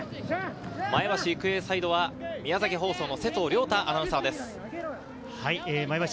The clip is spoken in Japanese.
前橋育英サイドは宮崎放送の瀬藤亮太アナウンサーです。